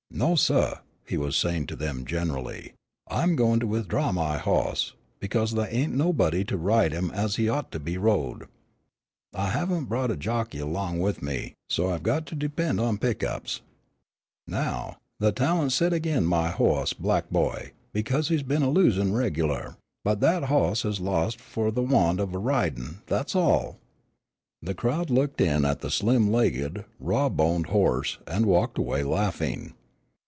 "No, suh," he was saying to them generally, "I'm goin' to withdraw my hoss, because thaih ain't nobody to ride him as he ought to be rode. I haven't brought a jockey along with me, so I've got to depend on pick ups. Now, the talent's set agin my hoss, Black Boy, because he's been losin' regular, but that hoss has lost for the want of ridin', that's all." The crowd looked in at the slim legged, raw boned horse, and walked away laughing.